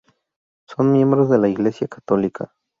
Son miembros de la Iglesia católica.